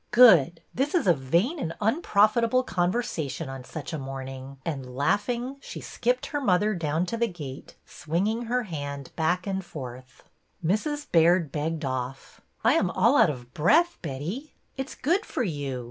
'' Good ! This is a ' vain and unprofitable conversation ' on such a morn ing'' ; and laughing, she skipped her mother down to the gate, swinging her hand back and forth. Mrs. Baird begged off. I am all out of breath, Betty." It 's good for you.